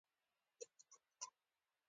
د کندهارۍ لهجې نوم لوېديځه لهجه هم دئ.